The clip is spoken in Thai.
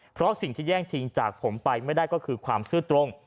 เพราะสิ่งที่แย่งชิงจากผมไปไม่ได้ก็คือความซื่อตรง